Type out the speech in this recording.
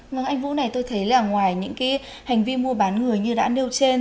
vâng anh vũ này tôi thấy là ngoài những cái hành vi mua bán người như đã nêu trên